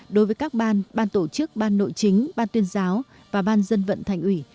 đối với các ban ban tổ chức ban nội chính ban tuyên giáo và ban dân vận thành ủy